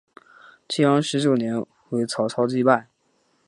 建安十九年为曹操击败。